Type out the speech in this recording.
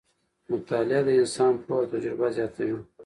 مطالعه د انسان پوهه او تجربه زیاتوي